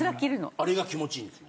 あれが気持ちいいんですね？